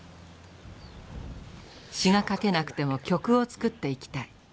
詞が書けなくても曲を作っていきたい。